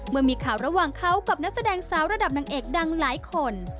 เมื่อมีข่าวระหว่างเขากับนักแสดงสาวระดับนางเอกดังหลายคน